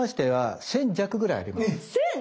１，０００？